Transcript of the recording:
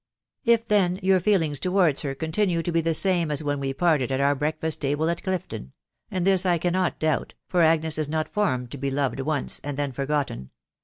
If, then, your feelings towards her continue to be the same as when we parted at our breakfast table at Clifton .... and this I cannot doubt, for Agnes is not formed to be loved once, and then forgotten